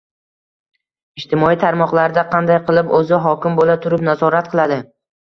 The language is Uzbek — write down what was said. Ijtimoiy tarmoqlarda "Qanday qilib o‘zi hokim bo‘la turib, nazorat qiladi?"